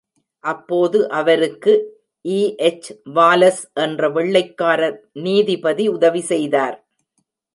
அப்போது அவருக்கு இ.எச்.வாலஸ் என்ற வெள்ளைக்கார நீதிபதி உதவி செய்தார்.